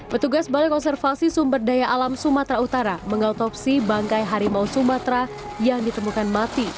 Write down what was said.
petugas balai konservasi sumber daya alam sumatera utara mengautopsi bangkai harimau sumatera yang ditemukan mati